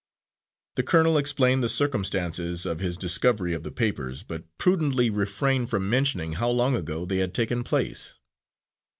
The colonel explained the circumstances of his discovery of the papers, but prudently refrained from mentioning how long ago they had taken place.